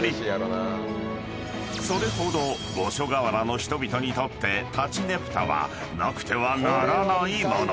［それほど五所川原の人々にとって立佞武多はなくてはならないもの］